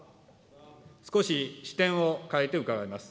少し視点を変えて伺います。